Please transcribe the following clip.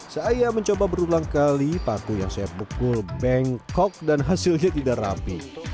saya mencoba berulang kali paku yang saya pukul bengkok dan hasilnya tidak rapi